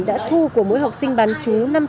đã thu của mỗi học sinh bán chú